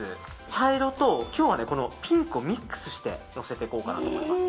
茶色と今日はピンクとミックスしてのせていこうかなと思います。